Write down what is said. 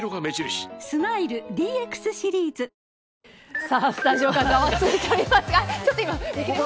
スマイル ＤＸ シリーズ！スタジオがざわついておりますが。